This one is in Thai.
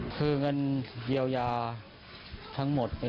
คือเงินเยียวยาทั้งหมด